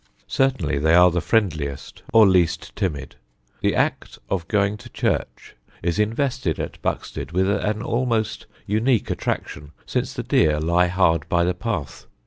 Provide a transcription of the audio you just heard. Certainly they are the friendliest, or least timid. The act of going to church is invested at Buxted with an almost unique attraction, since the deer lie hard by the path.